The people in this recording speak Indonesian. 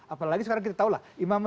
apalagi sekarang kita tahu lah imam